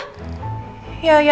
ya aku gak sengaja